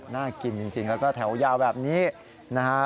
น่ากินจริงแล้วก็แถวยาวแบบนี้นะฮะ